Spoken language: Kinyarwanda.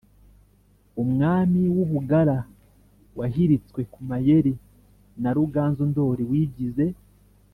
umwami w'u bugara wahiritswe ku mayeri na ruganzu ndori wigize